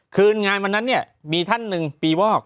คืนงานวันนั้นเนี่ยมีท่านหนึ่งปีวอก